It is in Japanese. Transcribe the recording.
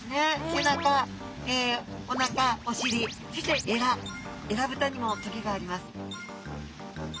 背中おなかおしりそしてえらえらぶたにもトゲがあります。